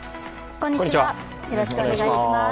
よろしくお願いします。